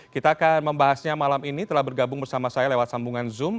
kita akan membahasnya malam ini telah bergabung bersama saya lewat sambungan zoom